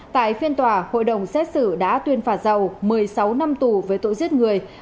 tại phiên tòa hội đồng xét xử đã tuyên phạt giàu một mươi sáu năm tù về tội giết người